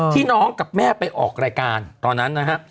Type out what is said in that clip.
น้องกับแม่ไปออกรายการตอนนั้นนะฮะ